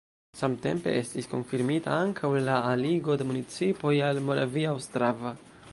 Samtempe estis konfirmita ankaŭ la aligo de municipoj al Moravia Ostrava.